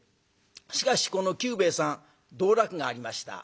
しかしこの久兵衛さん道楽がありました。